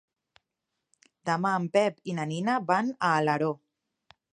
Demà en Pep i na Nina van a Alaró.